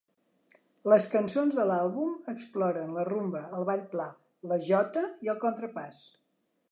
Les cançons de l'àlbum exploren la rumba, el ball pla, la jota i el contrapàs.